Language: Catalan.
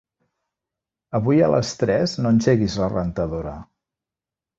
Avui a les tres no engeguis la rentadora.